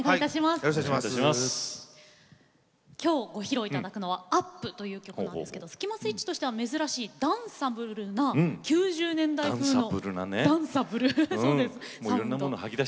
きょうご披露いただくのは「ｕｐ！！！！！！」という曲なんですけどスキマスイッチとしては珍しいダンサブルな９０年代風な。